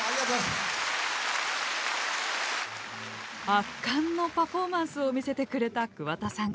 圧巻のパフォーマンスを見せてくれた桑田さん。